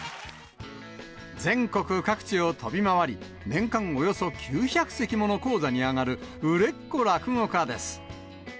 全国各地を飛び回り、年間およそ９００席もの高座に上がる売れっ子落語家です。